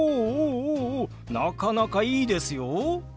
おおおなかなかいいですよ。